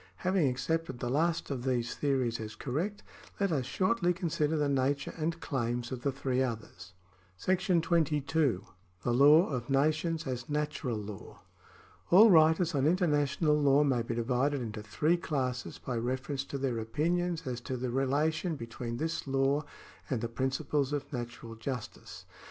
Having accepted the last of these theories as correct, let us shortly consider the nature and claims of the three others. § 22. The Law of Nations as Natural Law. All writers on international law may be divided into three classes by reference to their opinions as to the relation between this law and the principles of natural justice.